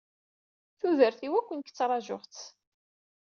Tudert-iw akk nekk ttṛajuɣ-tt.